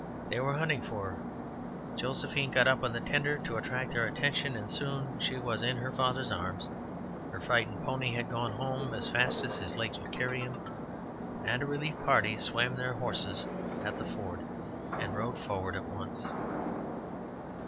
They were hunting for her. Josephine got up on the tender to attract their attention, and soon she was in her father's arms. Her frightened pony had gone home as fast as his legs would carry him, and a relief party swam their horses at the ford and rode forward at once.